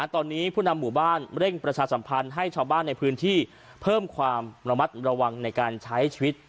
ตอนนี้ผู้นำหมู่บ้านเร่งประชาสัมพันธ์ให้ชาวบ้านในพื้นที่เพิ่มความระมัดระวังในการใช้ชีวิต